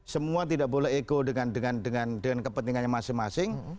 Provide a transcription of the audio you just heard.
semua tidak boleh ego dengan kepentingannya masing masing